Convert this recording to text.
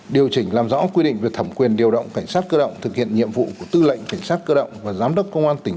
điều chỉnh làm rõ quy định về thẩm quyền điều động cảnh sát cơ động thực hiện nhiệm vụ của tư lệnh cảnh sát cơ động và giám đốc công an tỉnh